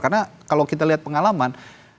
karena kalau kita lihat pengalaman